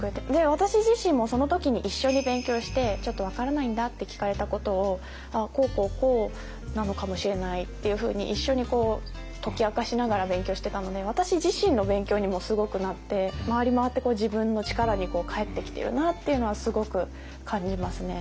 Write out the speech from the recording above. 私自身もその時に一緒に勉強してちょっと分からないんだって聞かれたことをこうこうこうなのかもしれないっていうふうに一緒に解き明かしながら勉強してたので私自身の勉強にもすごくなって回り回って自分の力に返ってきているなっていうのはすごく感じますね。